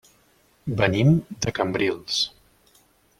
Venim de Cambrils.